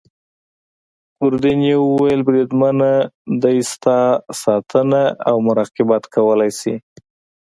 ګوردیني وویل: بریدمنه دی ستا ساتنه او مراقبت کولای شي.